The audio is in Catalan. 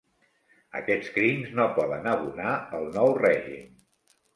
Aquests crims no poden abonar el nou règim.